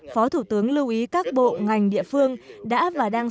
phó thủ tướng lưu ý các bộ ngành địa phương đã và đang